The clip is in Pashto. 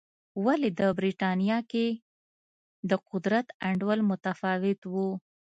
ولې د برېټانیا کې د قدرت انډول متفاوت و.